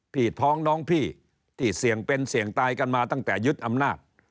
พี่น้องพี่ที่เสี่ยงเป็นเสี่ยงตายกันมาตั้งแต่ยึดอำนาจ